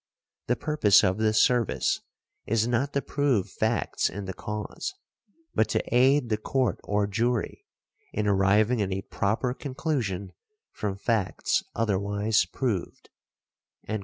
The purpose of this service is not to prove facts in the cause, but to aid the Court or Jury in arriving at a proper conclusion from facts otherwise proved" .